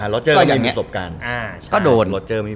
ล็อเจอร์มันมีประสบการณ์ก็โดน